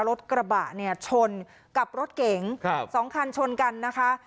รถกระบะเนี่ยชนกับรถเก๋ง๒คันชนกันนะคะ